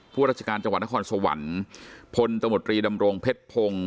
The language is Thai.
ราชการจังหวัดนครสวรรค์พลตมตรีดำรงเพชรพงศ์